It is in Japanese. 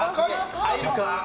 入るか？